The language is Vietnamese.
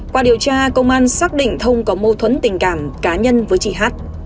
qua điều tra công an xác định thông có mâu thuẫn tình cảm cá nhân với chị hát